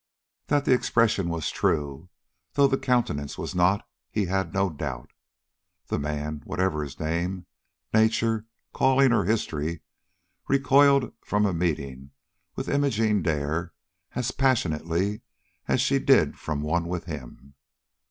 That the expression was true, though the countenance was not, he had no doubt. The man, whatever his name, nature, calling, or history, recoiled from a meeting with Imogene Dare as passionately as she did from one with him.